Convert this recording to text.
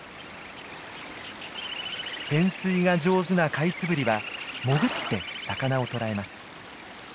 潜水が上手なカイツブリは潜って魚を捕らえます。